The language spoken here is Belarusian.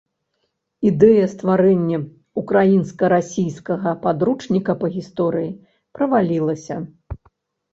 Ідэя стварэння ўкраінска-расійскага падручніка па гісторыі правалілася.